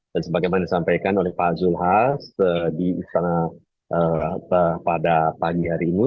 dan sebagaimana disampaikan oleh pak zul has di istana pada pagi hari ini